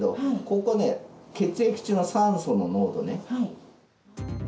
ここね、血液中の酸素の濃度ね。